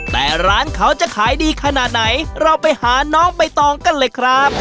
แต่ร้านเขาจะขายดีขนาดไหนเราไปหาน้องใบตองกันเลยครับ